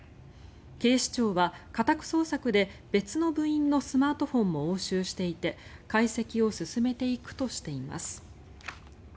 警視庁は家宅捜索で別の部員のスマートフォンも押収していて解析を進めていくとしています。